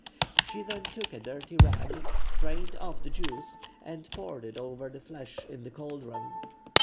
She then took a dirty rag, strained off the juice, and poured it over the flesh in the caldron.